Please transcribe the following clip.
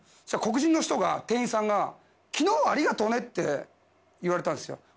そしたら、黒人の店員さんが昨日はありがとうねって言われたんですよ。